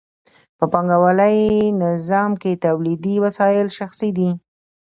په پانګوالي نظام کې تولیدي وسایل شخصي دي